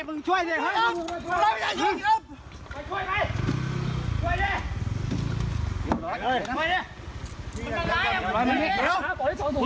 พี่เขาบอกให้ลงมาดี